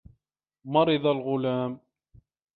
مَرِضَ الْغُلاَمُ.